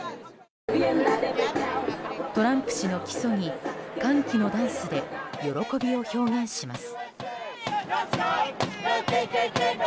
トランプ氏の起訴に歓喜のダンスで喜びを表現します。